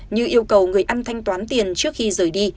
như yêu cầu người ăn thanh toán tiền trước khi rời đi